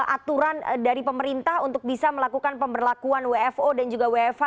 aturan dari pemerintah untuk bisa melakukan pemberlakuan wfo dan juga wfa